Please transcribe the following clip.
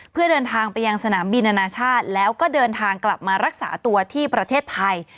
เพื่อเดินทางไปยังสนามบินอนาชาติแล้วก็เดินทางกลับมารักษาตัวที่ประเทศไทย